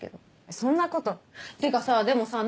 そんなことってかさでもさなんでさ